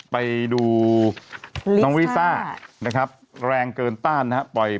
ไปดูของลิซ่านะครับน้องวิซ่าแรงเกินตันนะครับ